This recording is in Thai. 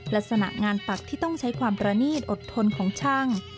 ลักษณะงานปักที่ต้องใช้ความประนีตอดทนของช่าง